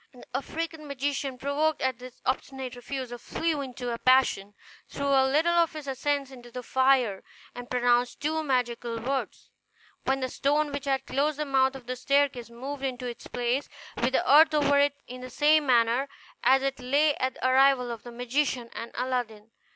The African magician, provoked at this obstinate refusal, flew into a passion, threw a little of his incense into the fire, and pronounced two magical words, when the stone which had closed the mouth of the staircase moved into its place, with the earth over it in the same manner as it lay at the arrival of the magician and Aladdin.